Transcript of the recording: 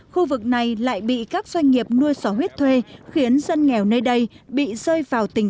khu vực này lại bị các doanh nghiệp nuôi sò huyết thuê khiến dân nghèo nơi đây bị rơi vào tình